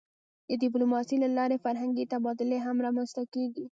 د ډیپلوماسی له لارې فرهنګي تبادلې هم رامنځته کېږي.